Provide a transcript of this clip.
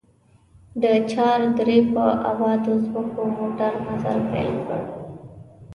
د چار درې په ابادو ځمکو موټر مزل پيل کړ.